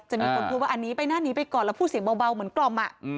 มีคนพูดว่าอันนี้ไปหน้านี้ไปก่อนแล้วพูดเสียงเบาเหมือนกล่อม